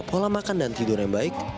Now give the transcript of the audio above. pola makan dan tidur yang baik